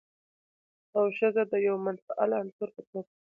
او ښځه د يوه منفعل عنصر په توګه